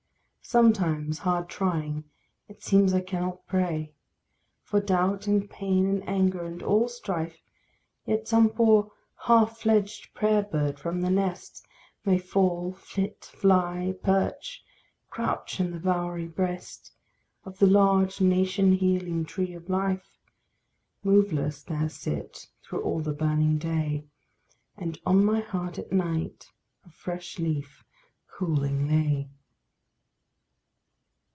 Sometimes, hard trying, it seems I cannot pray For doubt, and pain, and anger, and all strife. Yet some poor half fledged prayer bird from the nest May fall, flit, fly, perch crouch in the bowery breast Of the large, nation healing tree of life; Moveless there sit through all the burning day, And on my heart at night a fresh leaf cooling lay.